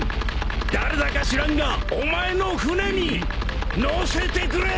誰だか知らんがお前の船に乗せてくれ！